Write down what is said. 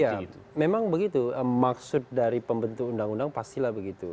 ya memang begitu maksud dari pembentuk undang undang pastilah begitu